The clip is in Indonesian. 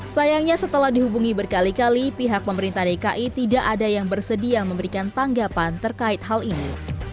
sayangnya setelah dihubungi berkali kali pihak pemerintah dki tidak ada yang bersedia memberikan tanggapan terkait hal ini